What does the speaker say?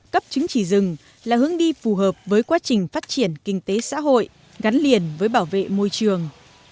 cấp chứng chỉ rừng là hướng đi phù hợp với quá trình phát triển kinh tế xã hội gắn liền với bảo vệ môi trường